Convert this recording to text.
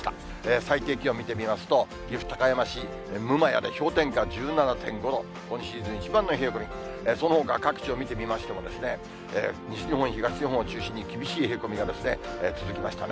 最低気温見てみますと、岐阜・高山市六厩で氷点下１７．５度、今シーズン一番の冷え込み、そのほか、各地を見てみましても、西日本、東日本を中心に、厳しい冷え込みが続きましたね。